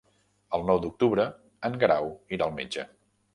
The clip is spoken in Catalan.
El nou d'octubre en Guerau irà al metge.